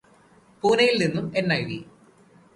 പൂനയില് നിന്നും എന്.ഐ.വി.